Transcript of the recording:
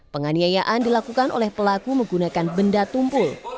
penganiayaan dilakukan oleh pelaku menggunakan benda tumpul